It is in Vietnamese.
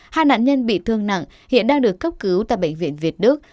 hai nạn nhân bị thương nặng hiện đang được cấp cứu tại bệnh viện việt đức